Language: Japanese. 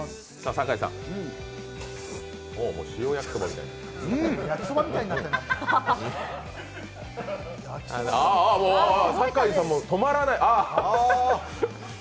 ああ、酒井さん、もう止まらない。